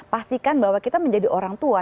pastikan bahwa kita menjadi orang tua